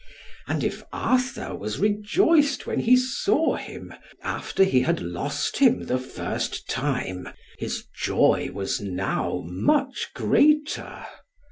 And if Arthur was rejoiced when he saw him, after he had lost him the first time, his joy was now much greater.